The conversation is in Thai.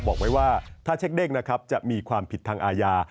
บอกไว้ว่าถ้าเช็คเด้งนะครับจะมีความผิดทางอาญา